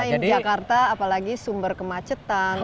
karena jakarta apalagi sumber kemacetan